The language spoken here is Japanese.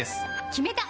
決めた！